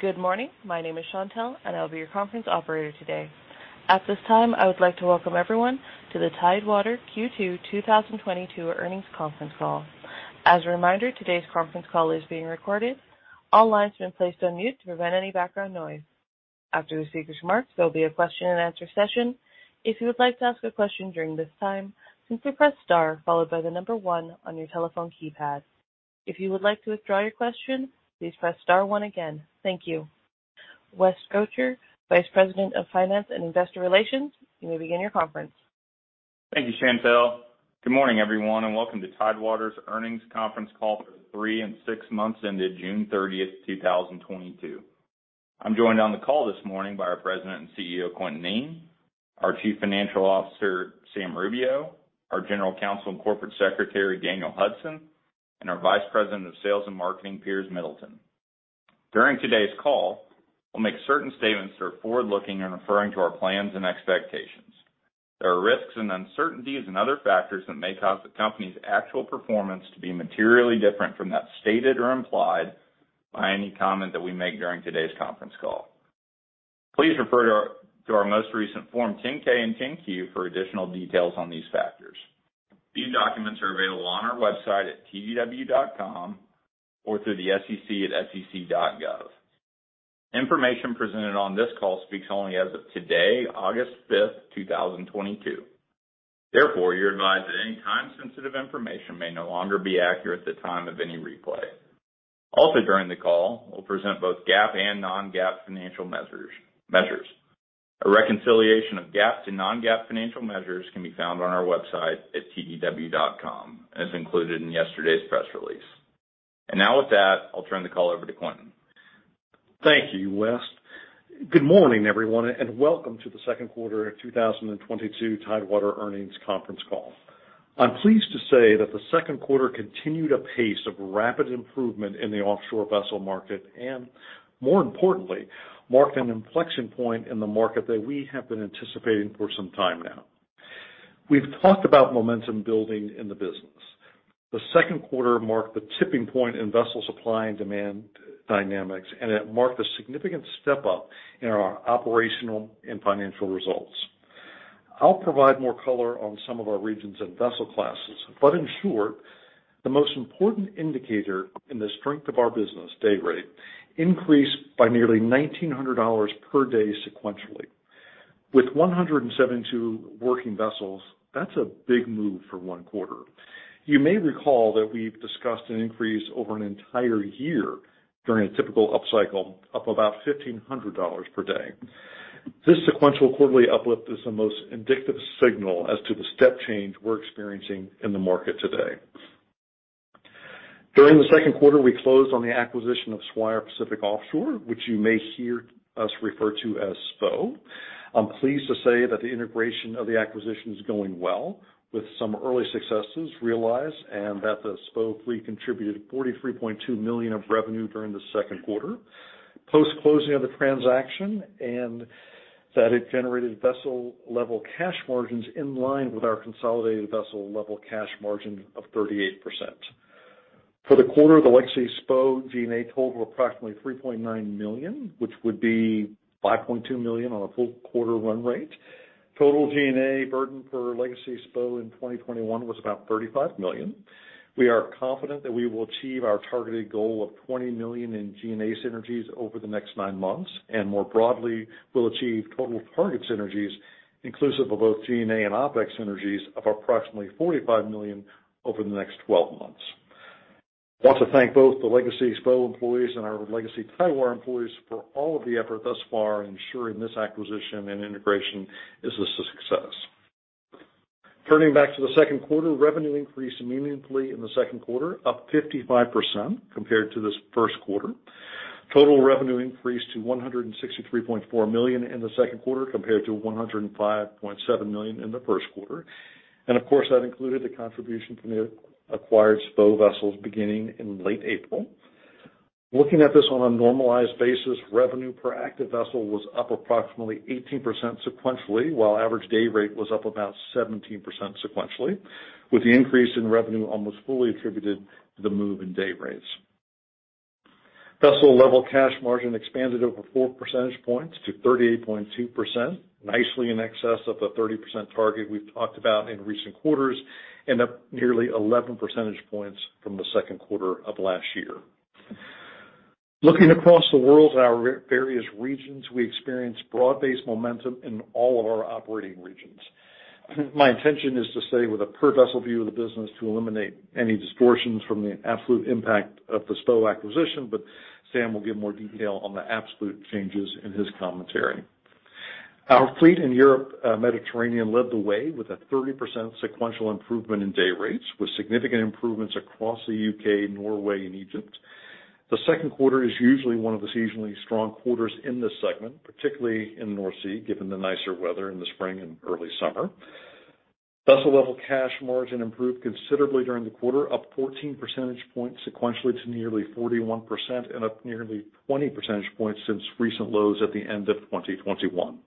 Good morning. My name is Chantelle, and I'll be your conference operator today. At this time, I would like to welcome everyone to the Tidewater Q2 2022 earnings conference call. As a reminder, today's conference call is being recorded. All lines have been placed on mute to prevent any background noise. After the speaker's remarks, there'll be a question-and-answer session. If you would like to ask a question during this time, simply press star followed by the number one on your telephone keypad. If you would like to withdraw your question, please press star one again. Thank you. West Gotcher, Vice President of Finance and Investor Relations, you may begin your conference. Thank you, Chantelle. Good morning, everyone, and welcome to Tidewater's earnings conference call for the three and six months ended June 30th, 2022. I'm joined on the call this morning by our President and CEO, Quintin Kneen, our Chief Financial Officer, Sam Rubio, our General Counsel and Corporate Secretary, Daniel Hudson, and our Vice President of Sales and Marketing, Piers Middleton. During today's call, we'll make certain statements that are forward-looking and referring to our plans and expectations. There are risks and uncertainties and other factors that may cause the company's actual performance to be materially different from that stated or implied by any comment that we make during today's conference call. Please refer to our most recent Form 10-K and 10-Q for additional details on these factors. These documents are available on our website at tdw.com or through the SEC at sec.gov. Information presented on this call speaks only as of today, August 5th, 2022. Therefore, you're advised that any time-sensitive information may no longer be accurate at the time of any replay. Also, during the call, we'll present both GAAP and non-GAAP financial measures. A reconciliation of GAAP to non-GAAP financial measures can be found on our website at tdw.com, as included in yesterday's press release. Now with that, I'll turn the call over to Quintin. Thank you, West. Good morning, everyone, and welcome to the second quarter of 2022 Tidewater earnings conference call. I'm pleased to say that the second quarter continued a pace of rapid improvement in the offshore vessel market, and more importantly, marked an inflection point in the market that we have been anticipating for some time now. We've talked about momentum building in the business. The second quarter marked the tipping point in vessel supply and demand dynamics, and it marked a significant step-up in our operational and financial results. I'll provide more color on some of our regions and vessel classes, but in short, the most important indicator in the strength of our business, day rate, increased by nearly $1,900 per day sequentially. With 172 working vessels, that's a big move for one quarter. You may recall that we've discussed an increase over an entire year during a typical upcycle, up about $1,500 per day. This sequential quarterly uplift is the most indicative signal as to the step change we're experiencing in the market today. During the second quarter, we closed on the acquisition of Swire Pacific Offshore, which you may hear us refer to as SPO. I'm pleased to say that the integration of the acquisition is going well, with some early successes realized, and that the SPO fleet contributed $43.2 million of revenue during the second quarter. Post-closing of the transaction and that it generated vessel-level cash margins in line with our consolidated vessel level cash margin of 38%. For the quarter, the legacy SPO G&A totaled approximately $3.9 million, which would be $5.2 million on a full quarter run rate. Total G&A burden per legacy SPO in 2021 was about $35 million. We are confident that we will achieve our targeted goal of $20 million in G&A synergies over the next nine months, and more broadly, we'll achieve total target synergies inclusive of both G&A and OpEx synergies of approximately $45 million over the next 12 months. Want to thank both the legacy SPO employees and our legacy Tidewater employees for all of the effort thus far in ensuring this acquisition and integration is a success. Turning back to the second quarter, revenue increased meaningfully in the second quarter, up 55% compared to this first quarter. Total revenue increased to $163.4 million in the second quarter compared to $105.7 million in the first quarter. Of course, that included the contribution from the acquired SPO vessels beginning in late April. Looking at this on a normalized basis, revenue per active vessel was up approximately 18% sequentially, while average day rate was up about 17% sequentially, with the increase in revenue almost fully attributed to the move in day rates. Vessel level cash margin expanded over 4% points to 38.2%, nicely in excess of the 30% target we've talked about in recent quarters, and up nearly 11% points from the second quarter of last year. Looking across the world at our various regions, we experienced broad-based momentum in all of our operating regions. My intention is to stay with a per vessel view of the business to eliminate any distortions from the absolute impact of the SPO acquisition, but Sam will give more detail on the absolute changes in his commentary. Our fleet in Europe, Mediterranean led the way with a 30% sequential improvement in day rates, with significant improvements across the U.K., Norway and Egypt. The second quarter is usually one of the seasonally strong quarters in this segment, particularly in North Sea, given the nicer weather in the spring and early summer. Vessel level cash margin improved considerably during the quarter, up 14% points sequentially to nearly 41% and up nearly 20% points since recent lows at the end of 2021.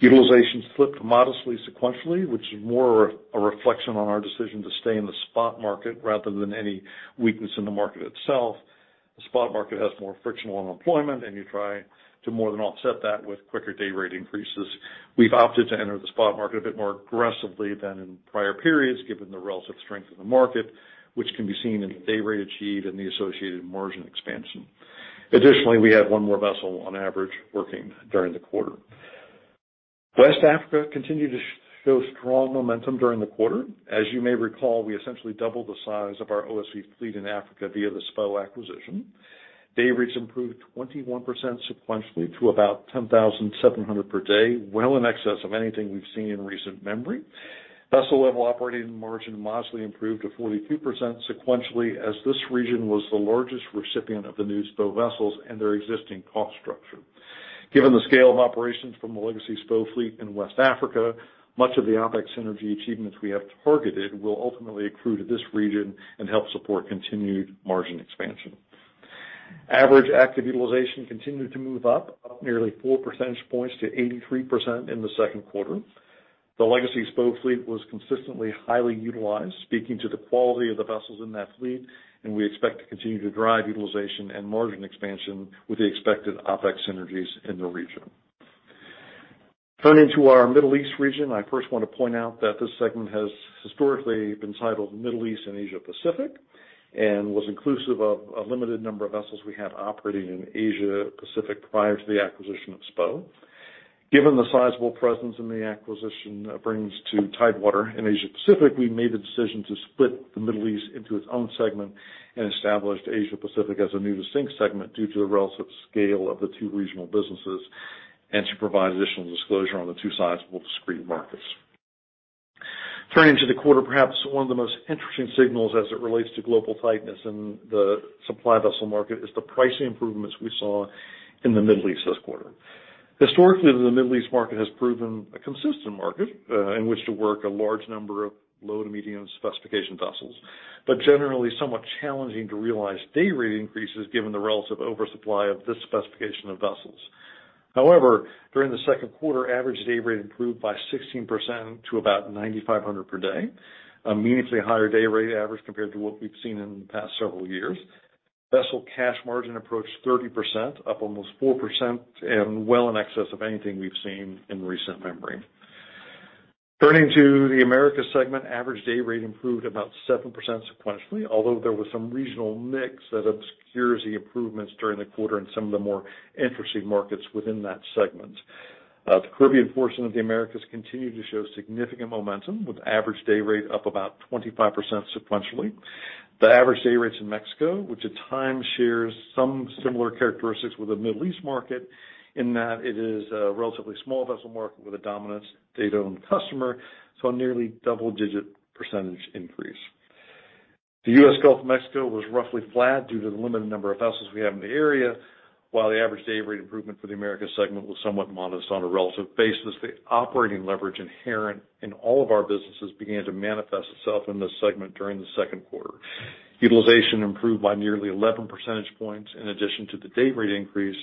Utilization slipped modestly sequentially, which is more a reflection on our decision to stay in the spot market rather than any weakness in the market itself. The spot market has more frictional unemployment, and you try to more than offset that with quicker day rate increases. We've opted to enter the spot market a bit more aggressively than in prior periods, given the relative strength of the market, which can be seen in the day rate achieved and the associated margin expansion. Additionally, we had one more vessel on average working during the quarter. West Africa continued to show strong momentum during the quarter. As you may recall, we essentially doubled the size of our OSV fleet in Africa via the SPO acquisition. Day rates improved 21% sequentially to about $10,700 per day, well in excess of anything we've seen in recent memory. Vessel level operating margin modestly improved to 42% sequentially, as this region was the largest recipient of the new SPO vessels and their existing cost structure. Given the scale of operations from the legacy SPO fleet in West Africa, much of the OpEx synergy achievements we have targeted will ultimately accrue to this region and help support continued margin expansion. Average active utilization continued to move up nearly 4% points to 83% in the second quarter. The legacy SPO fleet was consistently highly utilized, speaking to the quality of the vessels in that fleet, and we expect to continue to drive utilization and margin expansion with the expected OpEx synergies in the region. Turning to our Middle East region, I first wanna point out that this segment has historically been titled Middle East and Asia Pacific and was inclusive of a limited number of vessels we had operating in Asia Pacific prior to the acquisition of SPO. Given the sizable presence in the acquisition brings to Tidewater in Asia Pacific, we made the decision to split the Middle East into its own segment and established Asia Pacific as a new distinct segment due to the relative scale of the two regional businesses and to provide additional disclosure on the two sizable discrete markets. Turning to the quarter, perhaps one of the most interesting signals as it relates to global tightness in the supply vessel market is the pricing improvements we saw in the Middle East this quarter. Historically, the Middle East market has proven a consistent market in which to work a large number of low to medium specification vessels, but generally somewhat challenging to realize day rate increases given the relative oversupply of this specification of vessels. However, during the second quarter, average day rate improved by 16% to about $9,500 per day, a meaningfully higher day rate average compared to what we've seen in the past several years. Vessel cash margin approached 30%, up almost 4%, and well in excess of anything we've seen in recent memory. Turning to the Americas segment, average day rate improved about 7% sequentially, although there was some regional mix that obscures the improvements during the quarter in some of the more interesting markets within that segment. The Caribbean portion of the Americas continued to show significant momentum, with average day rate up about 25% sequentially. The average day rates in Mexico, which at times shares some similar characteristics with the Middle East market in that it is a relatively small vessel market with a dominant state-owned customer, saw a nearly double-digit percentage increase. The U.S. Gulf of Mexico was roughly flat due to the limited number of vessels we have in the area. While the average day rate improvement for the Americas segment was somewhat modest on a relative basis, the operating leverage inherent in all of our businesses began to manifest itself in this segment during the second quarter. Utilization improved by nearly 11% points. In addition to the day rate increase,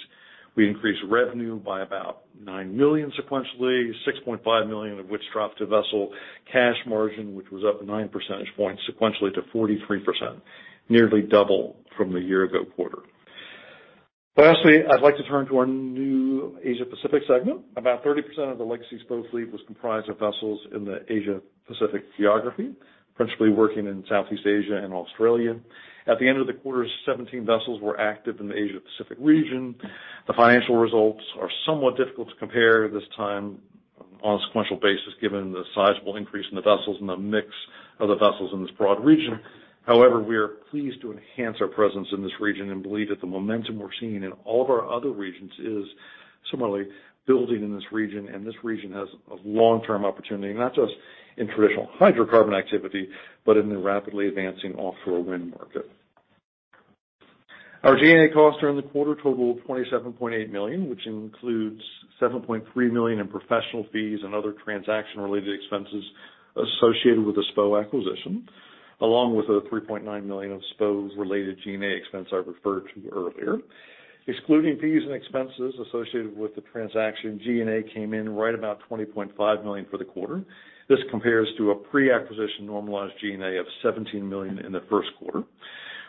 we increased revenue by about $9 million sequentially, $6.5 million of which dropped to vessel cash margin, which was up 9% points sequentially to 43%, nearly double from the year-ago quarter. Lastly, I'd like to turn to our new Asia Pacific segment. About 30% of the legacy SPO fleet was comprised of vessels in the Asia Pacific geography, principally working in Southeast Asia and Australia. At the end of the quarter, 17 vessels were active in the Asia Pacific region. The financial results are somewhat difficult to compare at this time on a sequential basis, given the sizable increase in the vessels and the mix of the vessels in this broad region. However, we are pleased to enhance our presence in this region and believe that the momentum we're seeing in all of our other regions is similarly building in this region. This region has a long-term opportunity, not just in traditional hydrocarbon activity, but in the rapidly advancing offshore wind market. Our G&A costs during the quarter totaled $27.8 million, which includes $7.3 million in professional fees and other transaction-related expenses associated with the SPO acquisition, along with the $3.9 million of SPO's related G&A expense I referred to earlier. Excluding fees and expenses associated with the transaction, G&A came in right about $20.5 million for the quarter. This compares to a pre-acquisition normalized G&A of $17 million in the first quarter.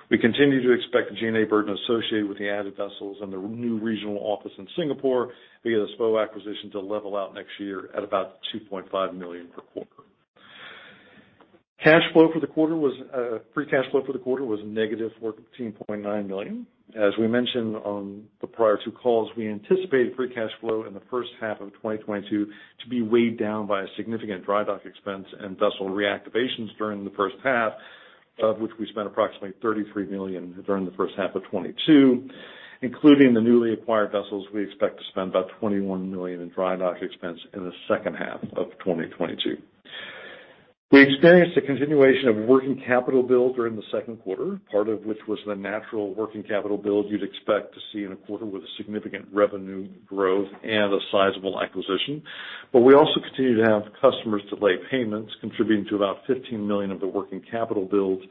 We continue to expect the G&A burden associated with the added vessels and the new regional office in Singapore via the SPO acquisition to level out next year at about $2.5 million per quarter. Free cash flow for the quarter was -$14.9 million. As we mentioned on the prior two calls, we anticipated free cash flow in the first half of 2022 to be weighed down by a significant dry dock expense and vessel reactivations during the first half, of which we spent approximately $33 million during the first half of 2022. Including the newly acquired vessels, we expect to spend about $21 million in dry dock expense in the second half of 2022. We experienced a continuation of working capital build during the second quarter, part of which was the natural working capital build you'd expect to see in a quarter with significant revenue growth and a sizable acquisition. We also continue to have customers delay payments, contributing to about $15 million of the working capital build.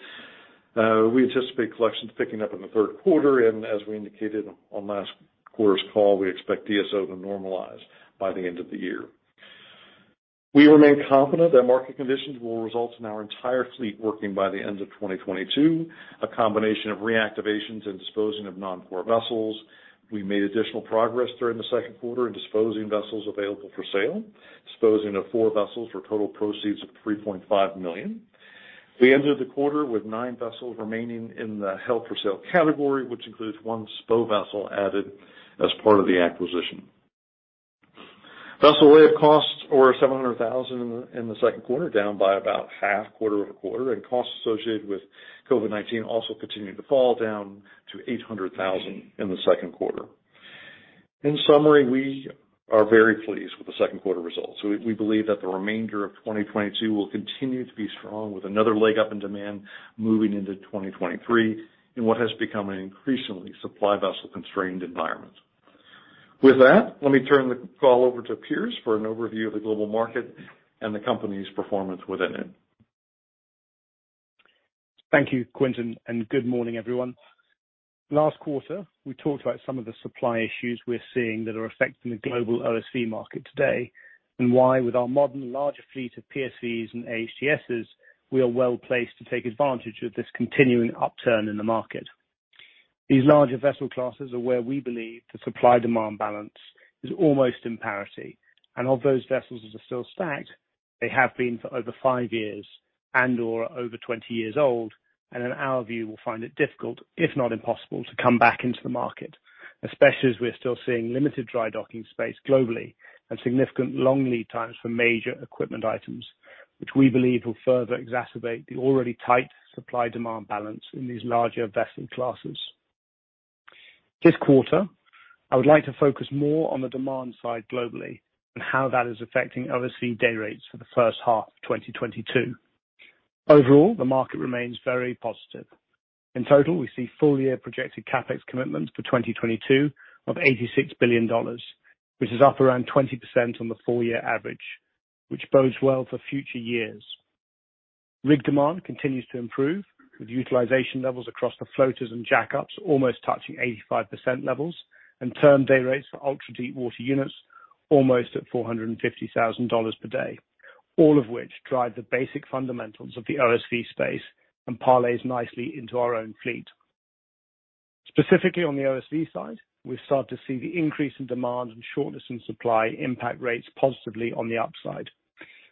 We anticipate collections picking up in the third quarter, and as we indicated on last quarter's call, we expect DSO to normalize by the end of the year. We remain confident that market conditions will result in our entire fleet working by the end of 2022. A combination of reactivations and disposing of non-core vessels. We made additional progress during the second quarter in disposing of vessels available for sale, disposing of four vessels for total proceeds of $3.5 million. We ended the quarter with nine vessels remaining in the held-for-sale category, which includes one SPO vessel added as part of the acquisition. Vessel lay-up costs of $700,000 in the second quarter, down by about half quarter-over-quarter, and costs associated with COVID-19 also continued to fall, down to $800,000 in the second quarter. In summary, we are very pleased with the second quarter results. We believe that the remainder of 2022 will continue to be strong with another leg up in demand moving into 2023 in what has become an increasingly supply vessel constrained environment. With that, let me turn the call over to Piers for an overview of the global market and the company's performance within it. Thank you, Quintin, and good morning, everyone. Last quarter, we talked about some of the supply issues we're seeing that are affecting the global OSV market today, and why with our modern larger fleet of PSVs and AHTSs, we are well-placed to take advantage of this continuing upturn in the market. These larger vessel classes are where we believe the supply-demand balance is almost in parity. Of those vessels that are still stacked, they have been for over five years and/or are over 20 years old, and in our view, will find it difficult, if not impossible, to come back into the market, especially as we're still seeing limited dry docking space globally and significant long lead times for major equipment items, which we believe will further exacerbate the already tight supply-demand balance in these larger vessel classes. This quarter, I would like to focus more on the demand side globally and how that is affecting OSV day rates for the first half of 2022. Overall, the market remains very positive. In total, we see full-year projected CapEx commitments for 2022 of $86 billion, which is up around 20% on the full-year average, which bodes well for future years. Rig demand continues to improve, with utilization levels across the floaters and jackups almost touching 85% levels and term day rates for ultra-deep water units almost at $450,000 per day, all of which drive the basic fundamentals of the OSV space and parlays nicely into our own fleet. Specifically on the OSV side, we start to see the increase in demand and shortness in supply impact rates positively on the upside.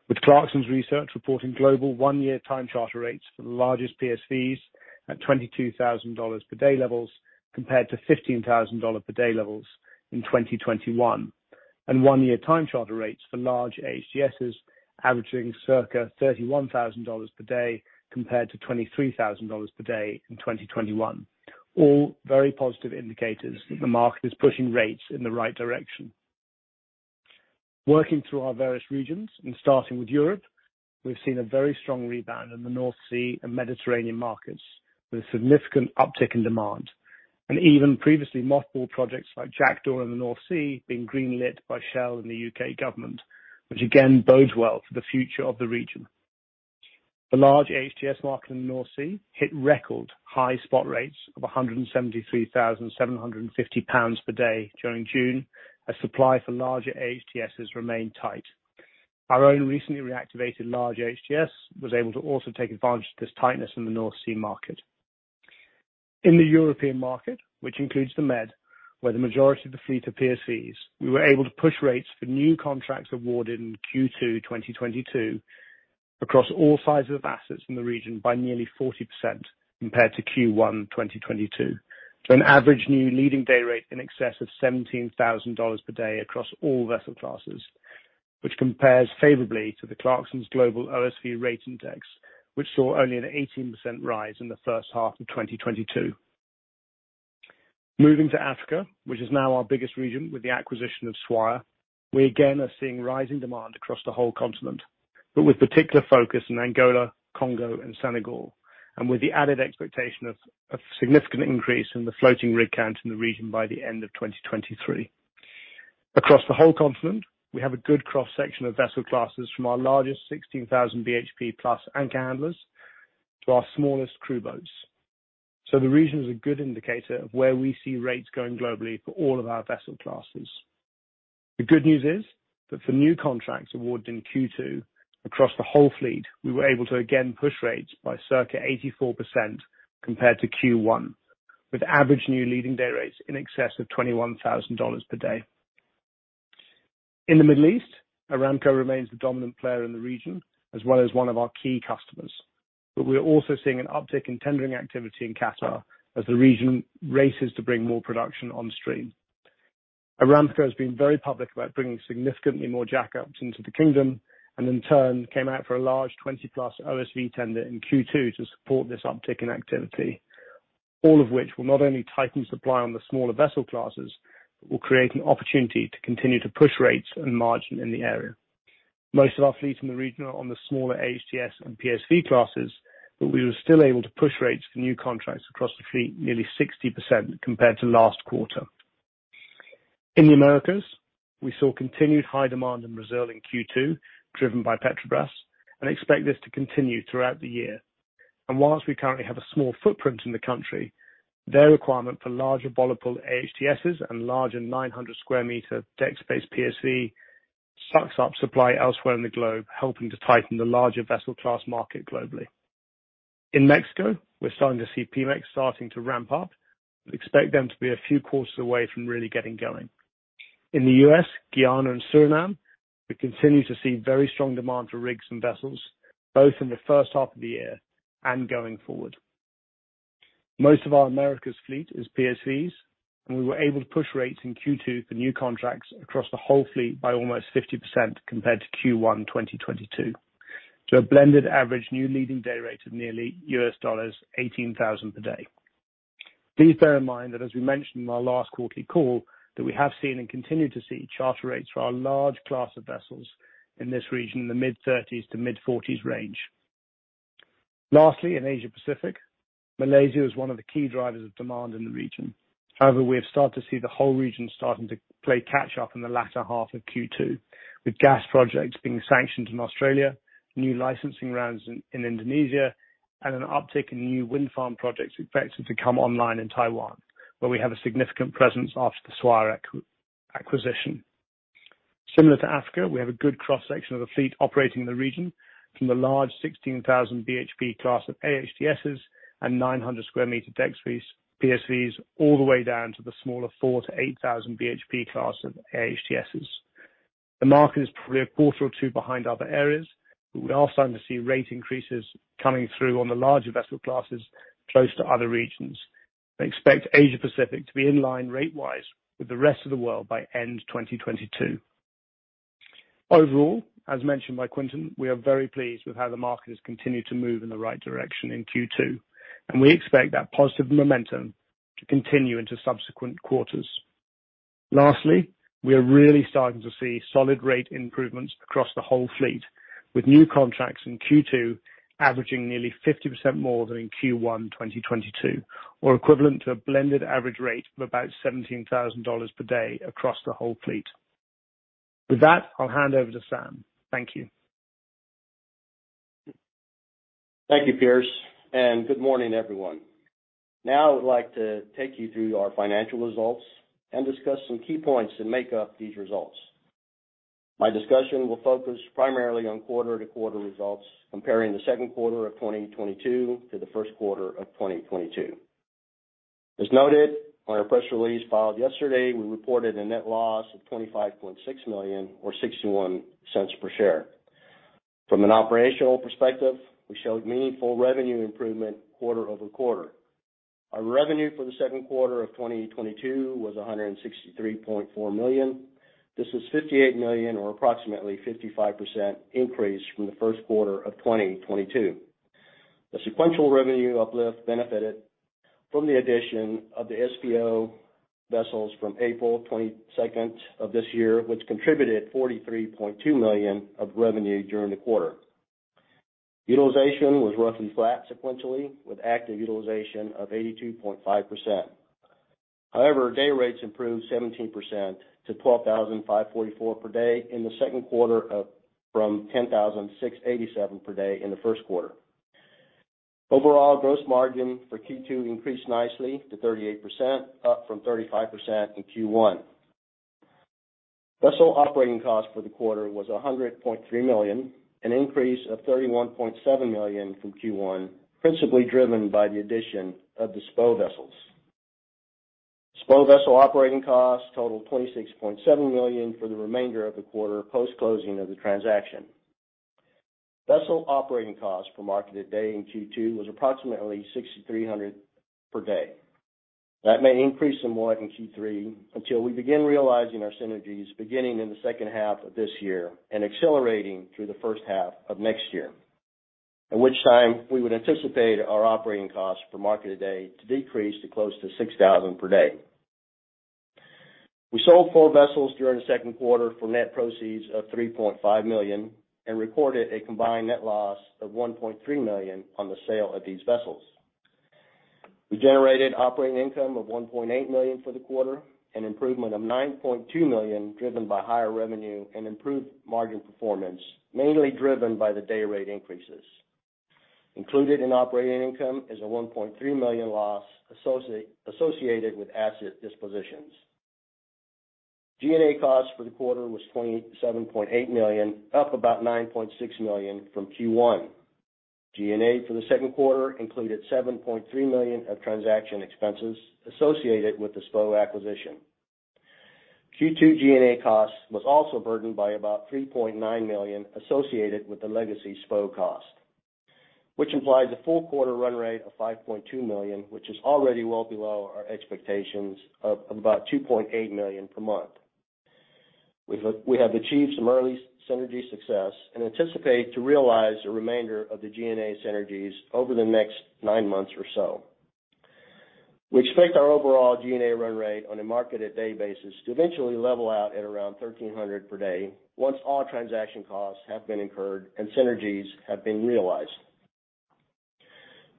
With Clarksons Research reporting global one-year time charter rates for the largest PSVs at $22,000 per day levels compared to $15,000 per day levels in 2021. One-year time charter rates for large AHTSs averaging circa $31,000 per day compared to $23,000 per day in 2021. All very positive indicators that the market is pushing rates in the right direction. Working through our various regions and starting with Europe, we've seen a very strong rebound in the North Sea and Mediterranean markets, with a significant uptick in demand. Even previously mothballed projects like Jackdaw in the North Sea being greenlit by Shell and the U.K. government, which again bodes well for the future of the region. The large AHTS market in the North Sea hit record high spot rates of 173,750 pounds per day during June, as supply for larger AHTSs remained tight. Our own recently reactivated large AHTS was able to also take advantage of this tightness in the North Sea market. In the European market, which includes the Med, where the majority of the fleet are PSVs, we were able to push rates for new contracts awarded in Q2 2022 across all sizes of assets in the region by nearly 40% compared to Q1 2022, to an average new leading day rate in excess of $17,000 per day across all vessel classes, which compares favorably to the Clarksons Global OSV Rate Index, which saw only an 18% rise in the first half of 2022. Moving to Africa, which is now our biggest region with the acquisition of Swire, we again are seeing rising demand across the whole continent, but with particular focus in Angola, Congo, and Senegal, and with the added expectation of significant increase in the floating rig count in the region by the end of 2023. Across the whole continent, we have a good cross-section of vessel classes from our largest 16,000 BHP+ anchor handlers to our smallest crew boats. The region is a good indicator of where we see rates going globally for all of our vessel classes. The good news is that for new contracts awarded in Q2 across the whole fleet, we were able to again push rates by circa 84% compared to Q1, with average new leading day rates in excess of $21,000 per day. In the Middle East, Aramco remains the dominant player in the region, as well as one of our key customers. We are also seeing an uptick in tendering activity in Qatar as the region races to bring more production on stream. Aramco has been very public about bringing significantly more jackups into the kingdom and in turn came out for a large 20+ OSV tender in Q2 to support this uptick in activity. All of which will not only tighten supply on the smaller vessel classes, but will create an opportunity to continue to push rates and margin in the area. Most of our fleets in the region are on the smaller AHTS and PSV classes, but we were still able to push rates for new contracts across the fleet nearly 60% compared to last quarter. In the Americas, we saw continued high demand in Brazil in Q2, driven by Petrobras, and expect this to continue throughout the year. While we currently have a small footprint in the country, their requirement for larger bollard pull AHTS and larger 900 sq m deck space PSVs sucks up supply elsewhere in the globe, helping to tighten the larger vessel class market globally. In Mexico, we're starting to see Pemex starting to ramp up. We expect them to be a few quarters away from really getting going. In the U.S., Guyana, and Suriname, we continue to see very strong demand for rigs and vessels, both in the first half of the year and going forward. Most of our America's fleet is PSVs, and we were able to push rates in Q2 for new contracts across the whole fleet by almost 50% compared to Q1 2022, to a blended average new leading day rate of nearly $18,000 per day. Please bear in mind that as we mentioned in our last quarterly call, that we have seen and continue to see charter rates for our large class of vessels in this region in the mid-30s to mid-40s range. Lastly, in Asia Pacific, Malaysia was one of the key drivers of demand in the region. However, we have started to see the whole region starting to play catch up in the latter half of Q2. With gas projects being sanctioned in Australia, new licensing rounds in Indonesia, and an uptick in new wind farm projects expected to come online in Taiwan, where we have a significant presence after the Swire acquisition. Similar to Africa, we have a good cross-section of the fleet operating in the region from the large 16,000 BHP class of AHTS and 900 sq m deck space PSVs, all the way down to the smaller 4,000 BHP-8,000 BHP class of AHTS. The market is probably a quarter or two behind other areas, but we are starting to see rate increases coming through on the larger vessel classes close to other regions. I expect Asia Pacific to be in line rate-wise with the rest of the world by end 2022. Overall, as mentioned by Quintin, we are very pleased with how the market has continued to move in the right direction in Q2, and we expect that positive momentum to continue into subsequent quarters. Lastly, we are really starting to see solid rate improvements across the whole fleet, with new contracts in Q2 averaging nearly 50% more than in Q1, 2022, or equivalent to a blended average rate of about $17,000 per day across the whole fleet. With that, I'll hand over to Sam. Thank you. Thank you, Piers, and good morning, everyone. Now, I would like to take you through our financial results and discuss some key points that make up these results. My discussion will focus primarily on quarter-over-quarter results comparing the second quarter of 2022 to the first quarter of 2022. As noted on our press release filed yesterday, we reported a net loss of $25.6 million or $0.61 per share. From an operational perspective, we showed meaningful revenue improvement quarter-over-quarter. Our revenue for the second quarter of 2022 was $163.4 million. This is $58 million or approximately 55% increase from the first quarter of 2022. The sequential revenue uplift benefited from the addition of the SPO vessels from April 22nd of this year, which contributed $43.2 million of revenue during the quarter. Utilization was roughly flat sequentially, with active utilization of 82.5%. However, day rates improved 17% to $12,544 per day in the second quarter of, from $10,687 per day in the first quarter. Overall, gross margin for Q2 increased nicely to 38%, up from 35% in Q1. Vessel operating cost for the quarter was $100.3 million, an increase of $31.7 million from Q1, principally driven by the addition of the SPO vessels. SPO vessel operating costs totaled $26.7 million for the remainder of the quarter post-closing of the transaction. Vessel operating costs per marketed day in Q2 was approximately $6,300 per day. That may increase some more in Q3 until we begin realizing our synergies beginning in the second half of this year and accelerating through the first half of next year. At which time, we would anticipate our operating costs per marketed day to decrease to close to 6,000 per day. We sold four vessels during the second quarter for net proceeds of $3.5 million and recorded a combined net loss of $1.3 million on the sale of these vessels. We generated operating income of $1.8 million for the quarter, an improvement of $9.2 million, driven by higher revenue and improved margin performance, mainly driven by the day rate increases. Included in operating income is a $1.3 million loss associated with asset dispositions. G&A costs for the quarter was $27.8 million, up about $9.6 million from Q1. G&A for the second quarter included $7.3 million of transaction expenses associated with the SPO acquisition. Q2 G&A costs was also burdened by about $3.9 million associated with the legacy SPO cost, which implies a full quarter run rate of $5.2 million, which is already well below our expectations of about $2.8 million per month. We have achieved some early synergy success and anticipate to realize the remainder of the G&A synergies over the next nine months or so. We expect our overall G&A run rate on a marketed day basis to eventually level out at around 1,300 per day once all transaction costs have been incurred and synergies have been realized.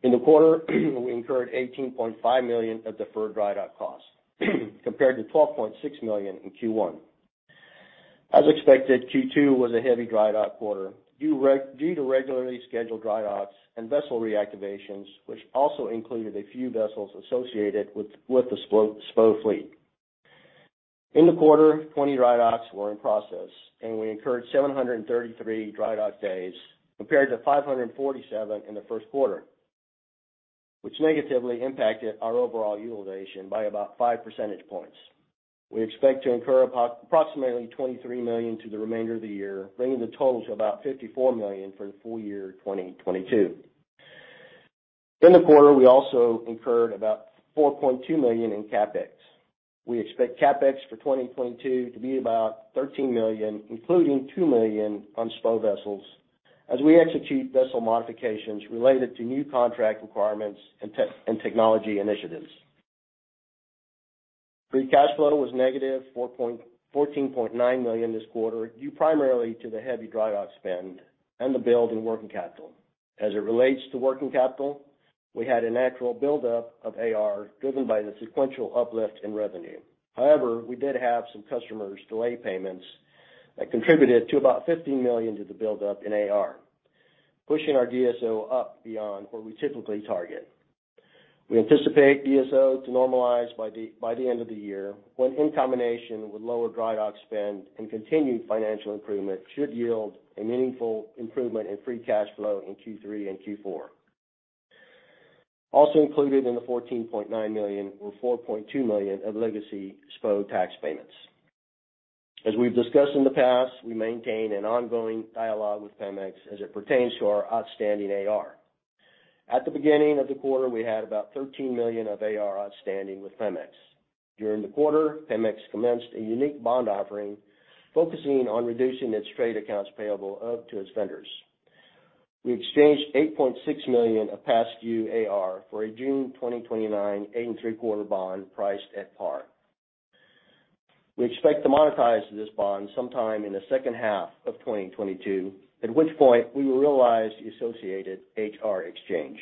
In the quarter, we incurred $18.5 million of deferred dry dock costs compared to $12.6 million in Q1. As expected, Q2 was a heavy dry dock quarter due to regularly scheduled dry docks and vessel reactivations, which also included a few vessels associated with the SPO fleet. In the quarter, 20 dry docks were in process, and we incurred 733 dry dock days compared to 547 in the first quarter, which negatively impacted our overall utilization by about 5% points. We expect to incur approximately $23 million to the remainder of the year, bringing the total to about $54 million for the full year 2022. In the quarter, we also incurred about $4.2 million in CapEx. We expect CapEx for 2022 to be about $13 million, including $2 million on SPO vessels, as we execute vessel modifications related to new contract requirements and and technology initiatives. Free cash flow was -$14.9 million this quarter, due primarily to the heavy dry dock spend and the build in working capital. As it relates to working capital, we had a natural buildup of AR driven by the sequential uplift in revenue. However, we did have some customers delay payments that contributed to about $15 million to the buildup in AR, pushing our DSO up beyond where we typically target. We anticipate DSO to normalize by the end of the year, when in combination with lower dry dock spend and continued financial improvement, should yield a meaningful improvement in free cash flow in Q3 and Q4. Also included in the $14.9 million were $4.2 million of legacy SPO tax payments. As we've discussed in the past, we maintain an ongoing dialogue with Pemex as it pertains to our outstanding AR. At the beginning of the quarter, we had about $13 million of AR outstanding with Pemex. During the quarter, Pemex commenced a unique bond offering focusing on reducing its trade accounts payable owed to its vendors. We exchanged $8.6 million of past due AR for a June 2029 8.75% bond priced at par. We expect to monetize this bond sometime in the second half of 2022, at which point we will realize the associated AR exchange.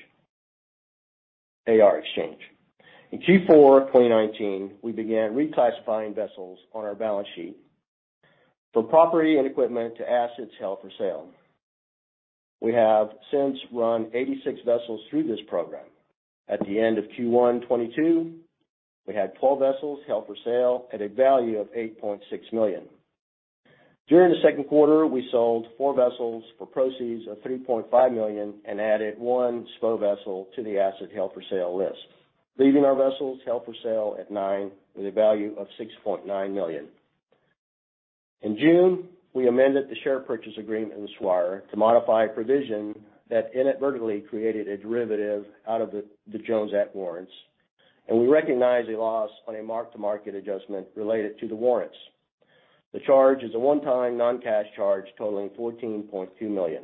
In Q4 2019, we began reclassifying vessels on our balance sheet from property and equipment to assets held for sale. We have since run 86 vessels through this program. At the end of Q1 2022, we had twelve vessels held for sale at a value of $8.6 million. During the second quarter, we sold four vessels for proceeds of $3.5 million and added one SPO vessel to the asset held for sale list, leaving our vessels held for sale at nine with a value of $6.9 million. In June, we amended the share purchase agreement with Swire to modify a provision that inadvertently created a derivative out of the Jones Act warrants, and we recognized a loss on a mark-to-market adjustment related to the warrants. The charge is a one-time non-cash charge totaling $14.2 million.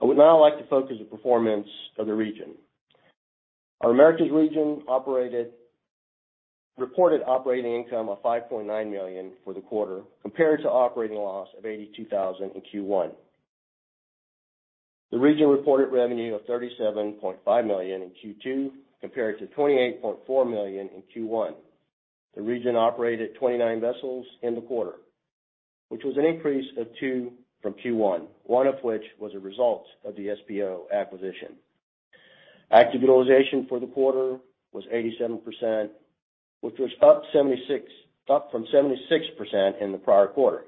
I would now like to focus on the performance of the region. Our Americas region reported operating income of $5.9 million for the quarter compared to operating loss of $82,000 in Q1. The region reported revenue of $37.5 million in Q2 compared to $28.4 million in Q1. The region operated 29 vessels in the quarter, which was an increase of two from Q1, one of which was a result of the SPO acquisition. Active utilization for the quarter was 87%, which was up from 76% in the prior quarter.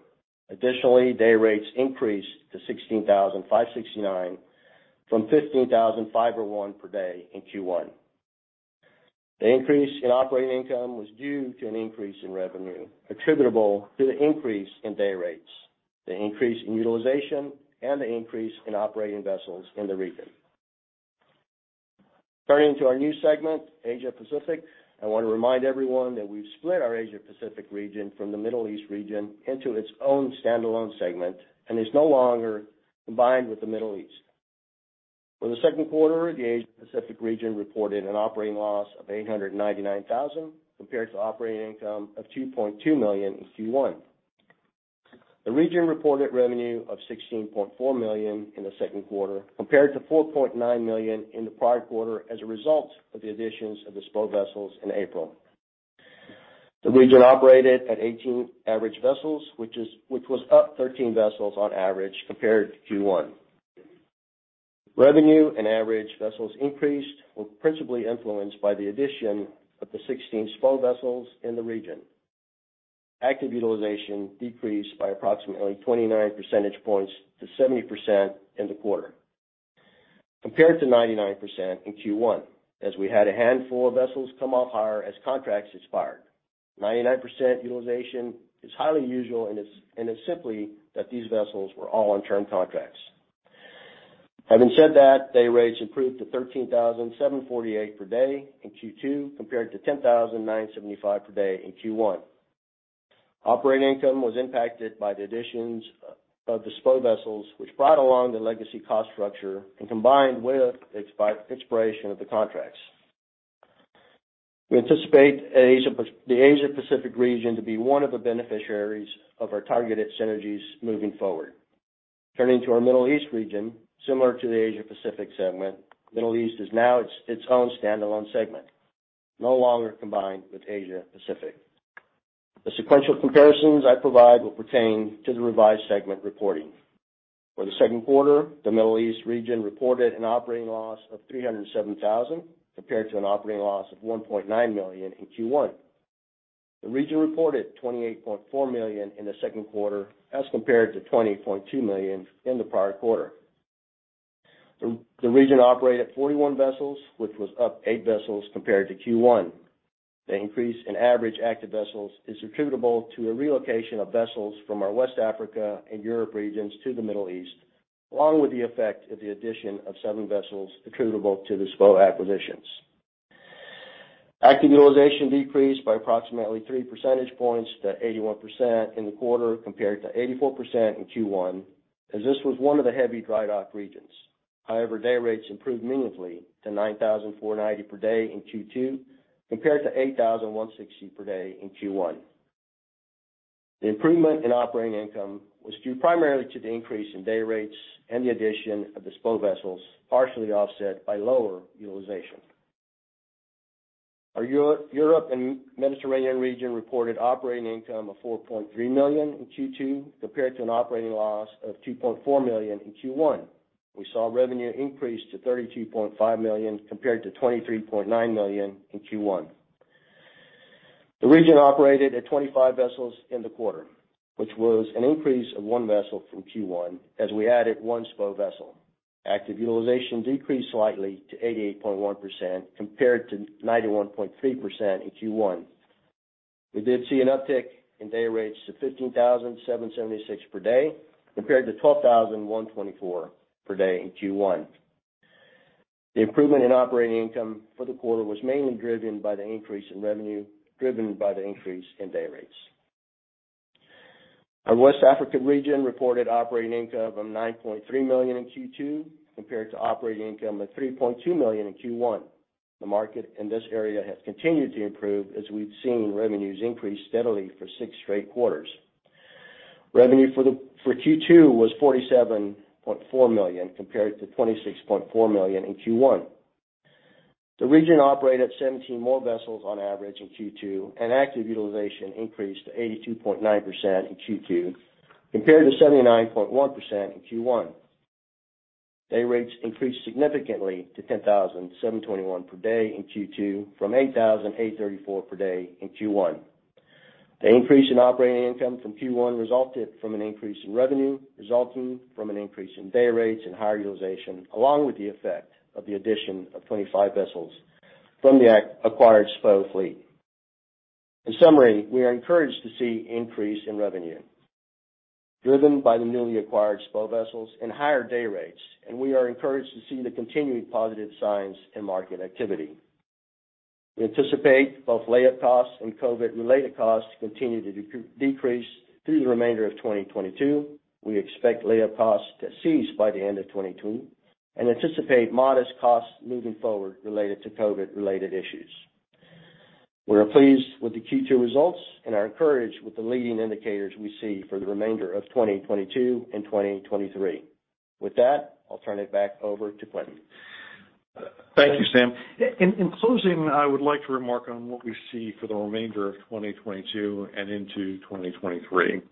Additionally, day rates increased to $16,569 from $15,501 per day in Q1. The increase in operating income was due to an increase in revenue attributable to the increase in day rates, the increase in utilization, and the increase in operating vessels in the region. Turning to our new segment, Asia Pacific, I want to remind everyone that we've split our Asia Pacific region from the Middle East region into its own standalone segment and is no longer combined with the Middle East. For the second quarter, the Asia Pacific region reported an operating loss of $899 thousand compared to operating income of $2.2 million in Q1. The region reported revenue of $16.4 million in the second quarter, compared to $4.9 million in the prior quarter as a result of the additions of the SPO vessels in April. The region operated at 18 average vessels, which was up 13 vessels on average compared to Q1. Revenue and average vessels increased were principally influenced by the addition of the 16 SPO vessels in the region. Active utilization decreased by approximately 29% points to 70% in the quarter, compared to 99% in Q1, as we had a handful of vessels come off hire as contracts expired. 99% utilization is highly unusual, and it's simply that these vessels were all on term contracts. Having said that, day rates improved to $13,748 per day in Q2 compared to $10,975 per day in Q1. Operating income was impacted by the additions of the SPO vessels, which brought along the legacy cost structure and combined with expiration of the contracts. We anticipate the Asia Pacific region to be one of the beneficiaries of our targeted synergies moving forward. Turning to our Middle East region, similar to the Asia Pacific segment, Middle East is now its own standalone segment, no longer combined with Asia Pacific. The sequential comparisons I provide will pertain to the revised segment reporting. For the second quarter, the Middle East region reported an operating loss of $307,000, compared to an operating loss of $1.9 million in Q1. The region reported $28.4 million in the second quarter as compared to $20.2 million in the prior quarter. The region operated 41 vessels, which was up eight vessels compared to Q1. The increase in average active vessels is attributable to a relocation of vessels from our West Africa and Europe regions to the Middle East, along with the effect of the addition of seven vessels attributable to the SPO acquisitions. Active utilization decreased by approximately 3% points to 81% in the quarter compared to 84% in Q1, as this was one of the heavy dry dock regions. However, day rates improved meaningfully to $9,490 per day in Q2 compared to $8,160 per day in Q1. The improvement in operating income was due primarily to the increase in day rates and the addition of the SPO vessels, partially offset by lower utilization. Our Europe and Mediterranean region reported operating income of $4.3 million in Q2 compared to an operating loss of $2.4 million in Q1. We saw revenue increase to $32.5 million compared to $23.9 million in Q1. The region operated at 25 vessels in the quarter, which was an increase of one vessel from Q1 as we added one SPO vessel. Active utilization decreased slightly to 88.1% compared to 91.3% in Q1. We did see an uptick in day rates to $15,776 per day compared to $12,124 per day in Q1. The improvement in operating income for the quarter was mainly driven by the increase in revenue, driven by the increase in day rates. Our West African region reported operating income of $9.3 million in Q2 compared to operating income of $3.2 million in Q1. The market in this area has continued to improve as we've seen revenues increase steadily for six straight quarters. Revenue for Q2 was $47.4 million compared to $26.4 million in Q1. The region operated 17 more vessels on average in Q2, and active utilization increased to 82.9% in Q2 compared to 79.1% in Q1. Day rates increased significantly to $10,721 per day in Q2 from $8,834 per day in Q1. The increase in operating income from Q1 resulted from an increase in revenue, resulting from an increase in day rates and higher utilization, along with the effect of the addition of 25 vessels from the acquired SPO fleet. In summary, we are encouraged to see increase in revenue driven by the newly acquired SPO vessels and higher day rates, and we are encouraged to see the continuing positive signs in market activity. We anticipate both layup costs and COVID-related costs to continue to decrease through the remainder of 2022. We expect layup costs to cease by the end of 2022 and anticipate modest costs moving forward related to COVID-related issues. We are pleased with the Q2 results and are encouraged with the leading indicators we see for the remainder of 2022 and 2023. With that, I'll turn it back over to Quintin. Thank you, Sam. In closing, I would like to remark on what we see for the remainder of 2022 and into 2023.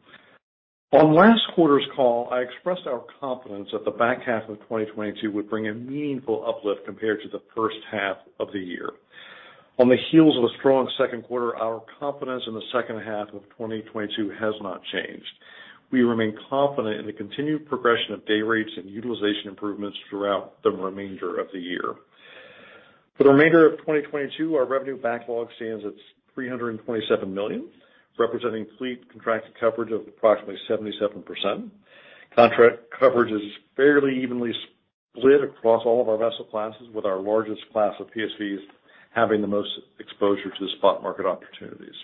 On last quarter's call, I expressed our confidence that the back half of 2022 would bring a meaningful uplift compared to the first half of the year. On the heels of a strong second quarter, our confidence in the second half of 2022 has not changed. We remain confident in the continued progression of day rates and utilization improvements throughout the remainder of the year. For the remainder of 2022, our revenue backlog stands at $327 million, representing fleet contracted coverage of approximately 77%. Contract coverage is fairly evenly split across all of our vessel classes, with our largest class of PSVs having the most exposure to the spot market opportunities.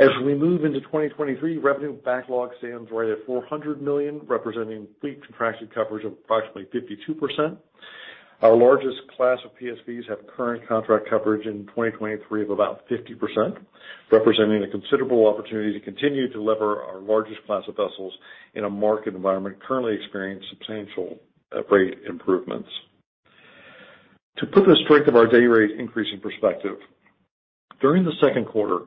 As we move into 2023, revenue backlog stands right at $400 million, representing fleet contracted coverage of approximately 52%. Our largest class of PSVs have current contract coverage in 2023 of about 50%, representing a considerable opportunity to continue to lever our largest class of vessels in a market environment currently experiencing substantial rate improvements. To put the strength of our day rate increase in perspective, during the second quarter,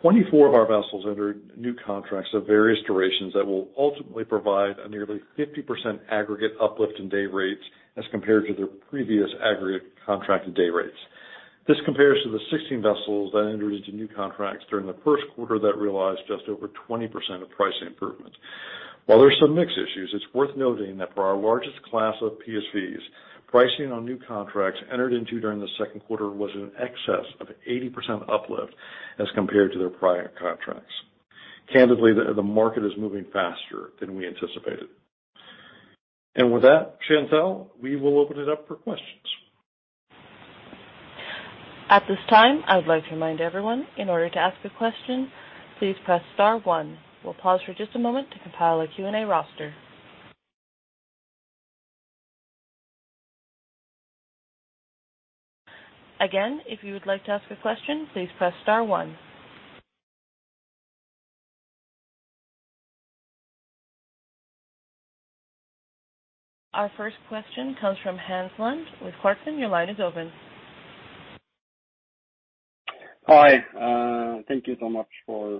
24 of our vessels entered new contracts of various durations that will ultimately provide a nearly 50% aggregate uplift in day rates as compared to their previous aggregate contracted day rates. This compares to the 16 vessels that entered into new contracts during the first quarter that realized just over 20% of price improvements. While there are some mixed issues, it's worth noting that for our largest class of PSVs, pricing on new contracts entered into during the second quarter was in excess of 80% uplift as compared to their prior contracts. Candidly, the market is moving faster than we anticipated. With that, Chantelle, we will open it up for questions. At this time, I would like to remind everyone, in order to ask a question, please press star one. We'll pause for just a moment to compile a Q&A roster. Again, if you would like to ask a question, please press star one. Our first question comes from Hans Lund with Clarksons. Your line is open. Hi, thank you so much for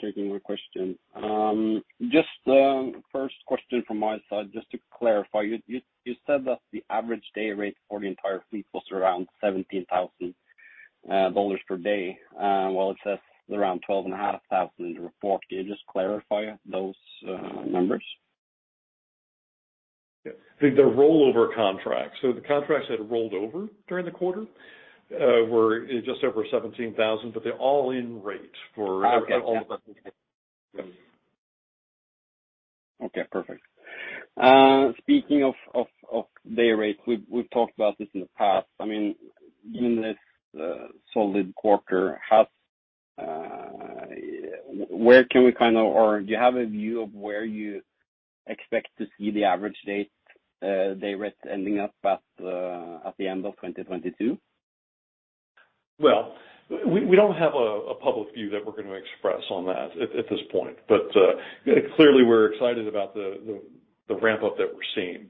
taking my question. Just first question from my side, just to clarify, you said that the average day rate for the entire fleet was around $17,000 per day, while it says around $12,500 in the report. Can you just clarify those numbers? The rollover contracts. The contracts that rolled over during the quarter were just over $17,000, but their all-in rate for all of that. Okay. Perfect. Speaking of day rates, we've talked about this in the past. I mean, given this solid quarter, where can we kind of or do you have a view of where you expect to see the average day rates ending up at the end of 2022? We don't have a public view that we're going to express on that at this point. Clearly we're excited about the ramp-up that we're seeing.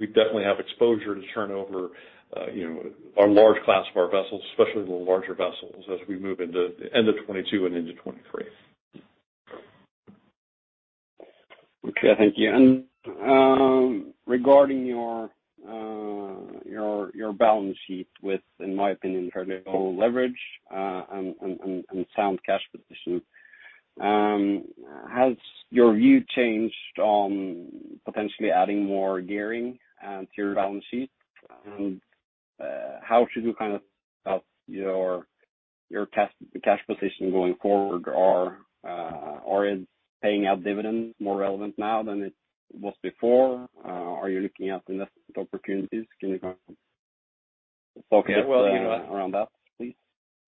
We definitely have exposure to turnover, you know, a large class of our vessels, especially the larger vessels, as we move into end of 2022 and into 2023. Okay. Thank you. Regarding your balance sheet with, in my opinion, fairly low leverage, and sound cash position, has your view changed on potentially adding more gearing to your balance sheet? How should you kind of up your cash position going forward? Or is paying out dividends more relevant now than it was before? Are you looking at investment opportunities? Can you kind of focus around that, please?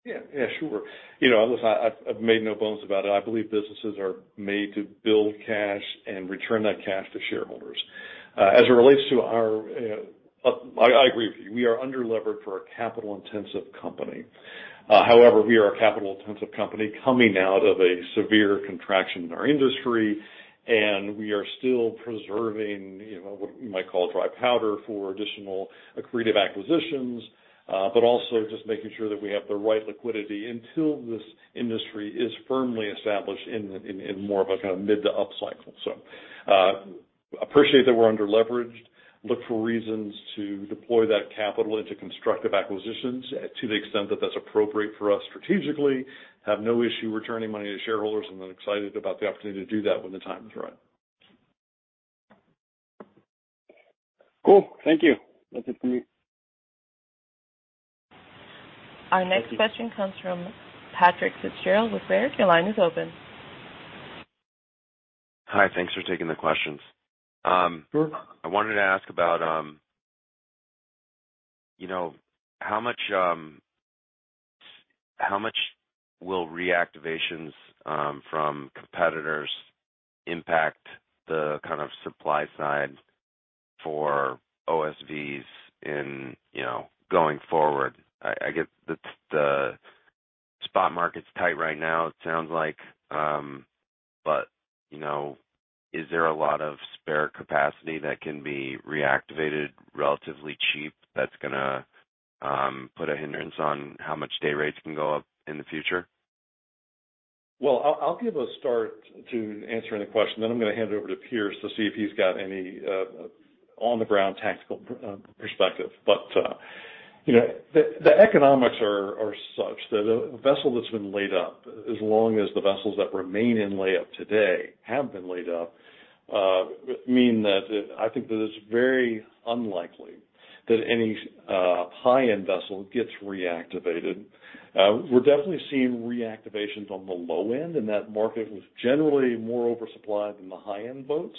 Yeah, yeah, sure. You know, listen, I've made no bones about it. I believe businesses are made to build cash and return that cash to shareholders. As it relates to our, I agree with you. We are under-levered for a capital-intensive company. However, we are a capital-intensive company coming out of a severe contraction in our industry, and we are still preserving, you know, what we might call dry powder for additional accretive acquisitions, but also just making sure that we have the right liquidity until this industry is firmly established in more of a kind of mid to upcycle. Appreciate that we're under-leveraged. Look for reasons to deploy that capital into constructive acquisitions to the extent that that's appropriate for us strategically. Have no issue returning money to shareholders, and I'm excited about the opportunity to do that when the time is right. Cool. Thank you. That's it for me. Our next question comes from Patrick Fitzgerald with Baird. Your line is open. Hi. Thanks for taking the questions. Sure. I wanted to ask about, you know, how much will reactivations from competitors impact the kind of supply side for OSVs in, you know, going forward? I get that the spot market's tight right now, it sounds like, but, you know, is there a lot of spare capacity that can be reactivated relatively cheap that's gonna put a hindrance on how much day rates can go up in the future? Well, I'll give a start to answering the question, then I'm gonna hand it over to Piers to see if he's got any on-the-ground tactical perspective. You know, the economics are such that a vessel that's been laid up as long as the vessels that remain in layup today have been laid up mean that I think that it's very unlikely that any high-end vessel gets reactivated. We're definitely seeing reactivations on the low end, and that market was generally more oversupplied than the high-end boats.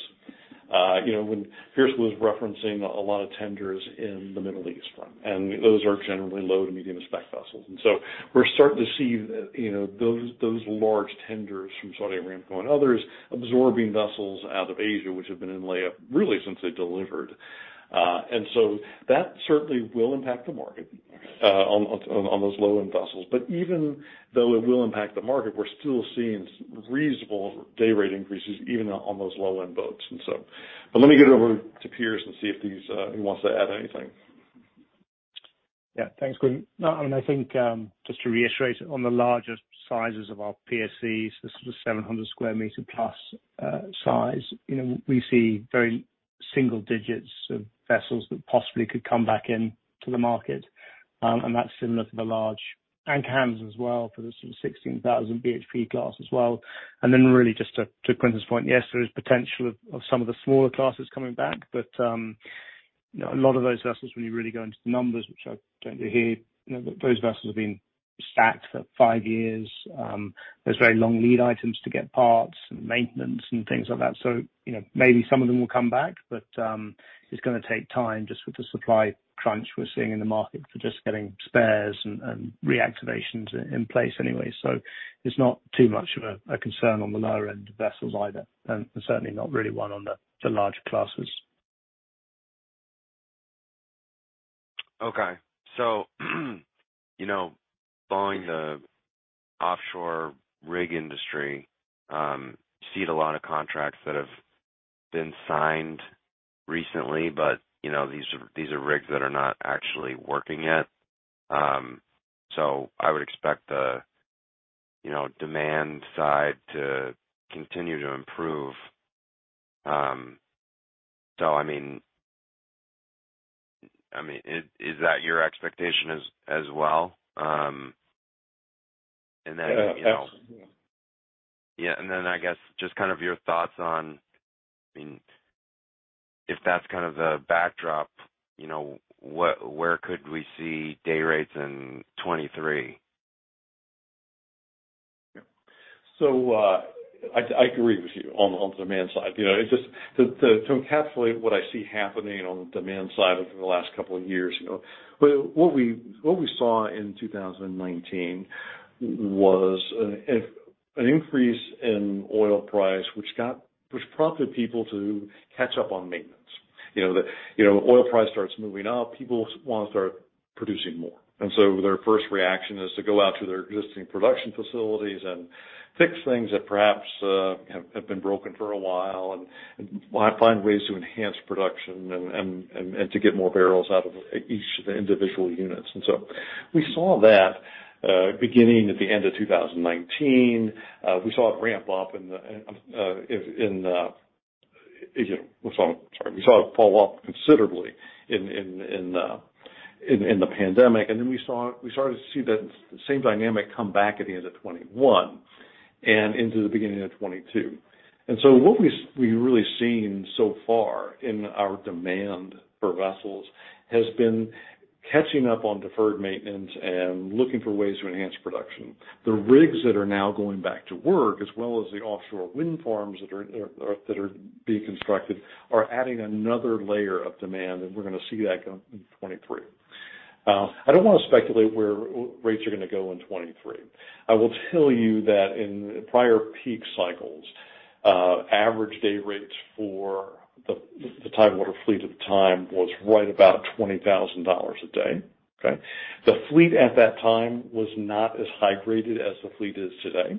You know, when Piers was referencing a lot of tenders in the Middle East front, and those are generally low to medium spec vessels. We're starting to see, you know, those large tenders from Saudi Aramco and others absorbing vessels out of Asia, which have been in layup really since they delivered. That certainly will impact the market on those low-end vessels. Even though it will impact the market, we're still seeing reasonable day rate increases even on those low-end boats. Let me get it over to Piers and see if he wants to add anything. Yeah. Thanks, Quintin. No, I mean, I think, just to reiterate, on the larger sizes of our PSVs, the sort of 700 sq m+, size, you know, we see very single digits of vessels that possibly could come back into the market. That's similar for the large anchor handlers as well, for the sort of 16,000 BHP class as well. Really just to Quintin's point, yes, there is potential of some of the smaller classes coming back, but, you know, a lot of those vessels, when you really go into the numbers, which I don't do here, you know, those vessels have been stacked for five years. There's very long lead items to get parts and maintenance and things like that. You know, maybe some of them will come back, but it's gonna take time just with the supply crunch we're seeing in the market for just getting spares and reactivations in place anyway. It's not too much of a concern on the lower-end vessels either, and certainly not really one on the larger classes. Okay. You know, following the offshore rig industry, I see a lot of contracts that have been signed recently, but you know, these are rigs that are not actually working yet. I would expect the demand side to continue to improve. I mean, is that your expectation as well? Yeah, absolutely. Yeah. I guess just kind of your thoughts on, I mean, if that's kind of the backdrop, you know, where could we see day rates in 2023? I agree with you on the demand side. You know, it just to encapsulate what I see happening on the demand side over the last couple of years, you know. What we saw in 2019 was an increase in oil price, which prompted people to catch up on maintenance. You know, the oil price starts moving up, people wanna start producing more. Their first reaction is to go out to their existing production facilities and fix things that perhaps have been broken for a while, and to get more barrels out of each of the individual units. We saw that beginning at the end of 2019. We saw it fall off considerably in the pandemic. We started to see that same dynamic come back at the end of 2021 and into the beginning of 2022. What we've really seen so far in our demand for vessels has been catching up on deferred maintenance and looking for ways to enhance production. The rigs that are now going back to work, as well as the offshore wind farms that are being constructed, are adding another layer of demand, and we're gonna see that go in 2023. I don't wanna speculate where rates are gonna go in 2023. I will tell you that in prior peak cycles, average day rates for the Tidewater fleet at the time was right about $20,000 a day. Okay? The fleet at that time was not as high graded as the fleet is today.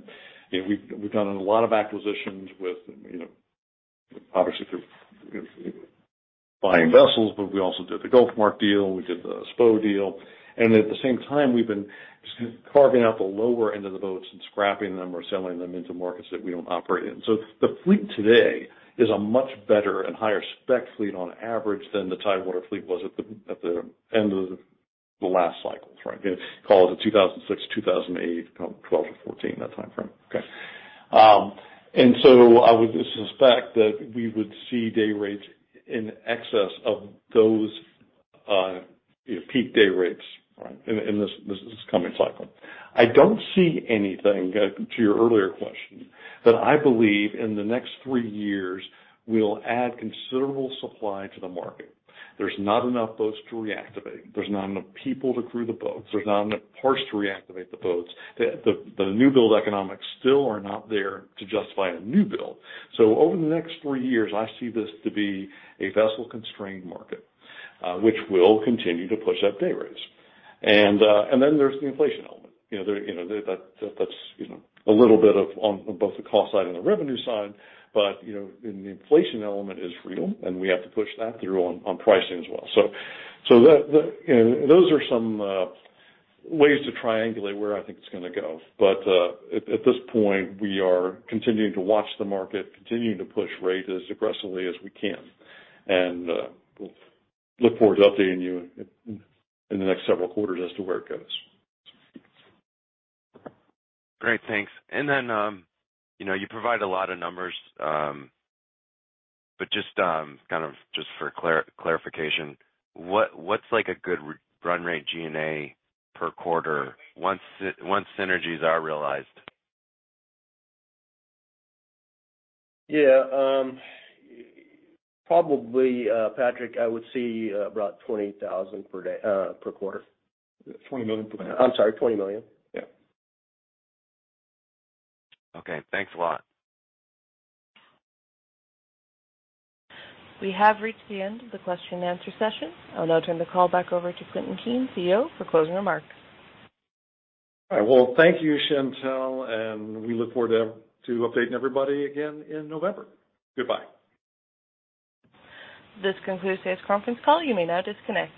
We've done a lot of acquisitions with, you know, obviously through buying vessels, but we also did the GulfMark deal, we did the SPO deal. At the same time, we've been carving out the lower end of the boats and scrapping them or selling them into markets that we don't operate in. The fleet today is a much better and higher spec fleet on average than the Tidewater fleet was at the end of the last cycles, right? Call it the 2006-2008, kind of 2012-2014, that timeframe. Okay. I would suspect that we would see day rates in excess of those peak day rates, right, in this coming cycle. I don't see anything to your earlier question, that I believe in the next three years will add considerable supply to the market. There's not enough boats to reactivate. There's not enough people to crew the boats. There's not enough parts to reactivate the boats. The new build economics still are not there to justify a new build. Over the next three years, I see this to be a vessel-constrained market, which will continue to push up day rates. Then there's the inflation element. You know, that's a little bit on both the cost side and the revenue side, but you know, and the inflation element is real, and we have to push that through on pricing as well. That you know, those are some ways to triangulate where I think it's gonna go. At this point, we are continuing to watch the market, continuing to push rate as aggressively as we can. We'll look forward to updating you in the next several quarters as to where it goes. Great. Thanks. You know, you provide a lot of numbers, but just, kind of just for clarification, what's like a good run rate G&A per quarter once synergies are realized? Yeah. Probably, Patrick, I would see about $20 million per day per quarter. $20 million per quarter. I'm sorry, $20 million. Yeah. Okay. Thanks a lot. We have reached the end of the question and answer session. I'll now turn the call back over to Quintin Kneen, CEO, for closing remarks. All right. Well, thank you, Chantelle, and we look forward to updating everybody again in November. Goodbye. This concludes today's conference call. You may now disconnect.